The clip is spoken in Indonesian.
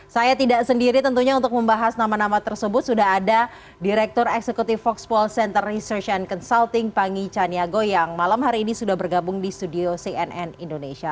saya tidak sendiri tentunya untuk membahas nama nama tersebut sudah ada direktur eksekutif foxpol center research and consulting pangi caniago yang malam hari ini sudah bergabung di studio cnn indonesia